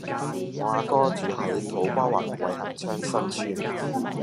我阿哥住喺土瓜灣偉恆昌新邨